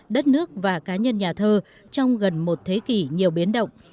đất nước và cá nhân nhà thơ trong gần một thế kỷ nhiều biến động